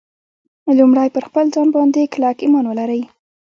لومړی پر خپل ځان باندې کلک ایمان ولرئ